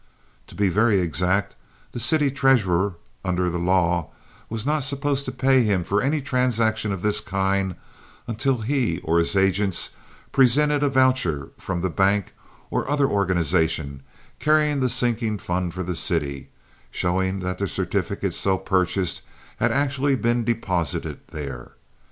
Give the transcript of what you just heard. To be very exact, the city treasurer, under the law, was not supposed to pay him for any transaction of this kind until he or his agents presented a voucher from the bank or other organization carrying the sinking fund for the city showing that the certificates so purchased had actually been deposited there.